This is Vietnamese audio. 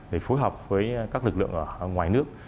để phối hợp với các lực lượng ở ngoài nước